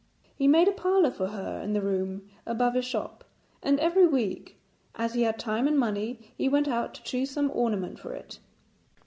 He made a parlour for her in the room above his shop; and every week, as he had time and money, he went out to choose some ornament for it.